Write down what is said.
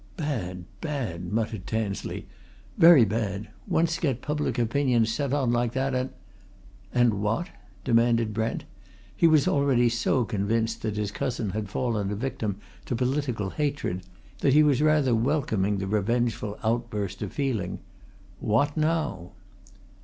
"Bad, bad!" muttered Tansley. "Very bad! once get public opinion set on like that, and " "And what?" demanded Brent. He was already so convinced that his cousin had fallen a victim to political hatred that he was rather welcoming the revengeful outburst of feeling. "What, now?"